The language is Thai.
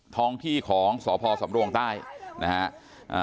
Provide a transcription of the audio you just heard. ท้องที่ของสอพสำรวงใต้นะครับ